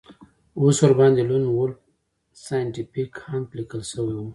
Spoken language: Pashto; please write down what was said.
اوس ورباندې لون وولف سایینټیفیک انک لیکل شوي وو